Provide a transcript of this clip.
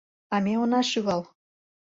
А ме она шӱвал!